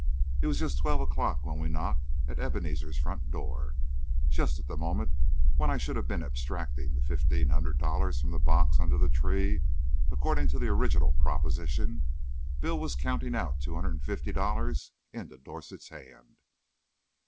It was just twelve o'clock when we knocked at Ebenezer's front door. Just at the moment when I should have been abstracting the fifteen hundred dollars from the box under the tree, according to the original proposition, Bill was counting out two hundred and fifty dollars into Dorset's hand.